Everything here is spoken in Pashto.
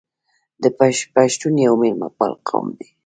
پښتون یو میلمه پال قوم دی.